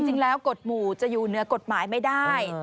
จริงแล้วกฎหมู่จะอยู่เหนือกฎหมายไม่ได้